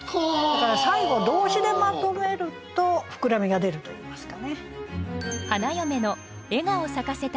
だから最後動詞でまとめると膨らみが出るといいますかね。